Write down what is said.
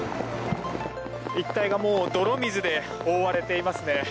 一帯がもう泥水で覆われています。